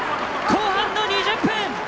後半の２０分！